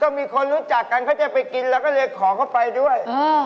ก็มีคนรู้จักกันเขาจะไปกินแล้วก็เลยขอเข้าไปด้วย